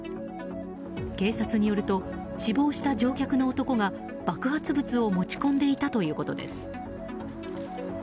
警察によると死亡した乗客の男が爆発物を持ち込んでいたということです。